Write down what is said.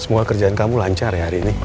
semua kerjaan kamu lancar ya hari ini